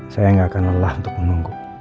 saya gak akan lelah untuk menunggu